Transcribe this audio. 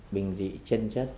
bình dị chân chất